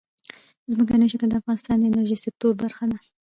ځمکنی شکل د افغانستان د انرژۍ سکتور برخه ده.